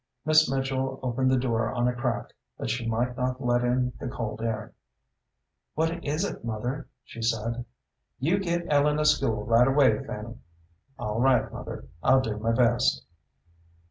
Miss Mitchell opened the door on a crack, that she might not let in the cold air. "What is it, mother?" she said. "You get Ellen a school right away, Fanny." "All right, mother; I'll do my best."